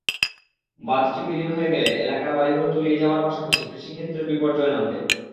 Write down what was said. বাঁধটি বিলীন হয়ে গেলে এলাকার বাড়িঘর তলিয়ে যাওয়ার পাশাপাশি কৃষিক্ষেত্রে বিপর্যয় নামবে।